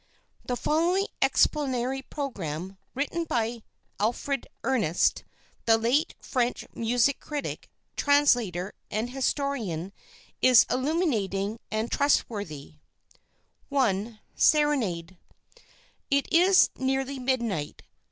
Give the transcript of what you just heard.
The following explanatory programme, written by Alfred Ernst, the late French music critic, translator, and historian, is illuminating and trustworthy: "I. SERENADE "It is nearly midnight.